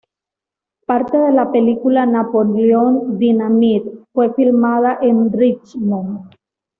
Parte de la película Napoleon Dynamite fue filmada en Richmond.